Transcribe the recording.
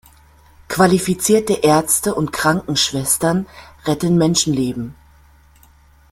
Qualifizierte Ärzte und Krankenschwestern retten Menschenleben.